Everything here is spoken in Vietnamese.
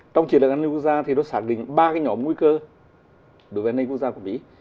trong chiến lược an ninh quốc gia thì nó xả định ba nhỏ nguy cơ đối với nền an ninh quốc gia của mỹ